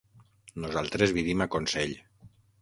Nosaltres vivim a Consell.